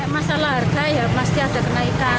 masalah harga ya pasti ada kenaikan